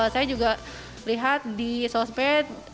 saya juga lihat di sosmed